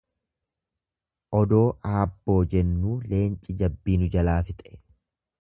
Odoo aabboo jennuu leenci jabbii nu jalaa fixe.